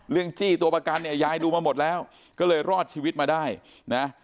จี้ตัวประกันเนี่ยยายดูมาหมดแล้วก็เลยรอดชีวิตมาได้นะ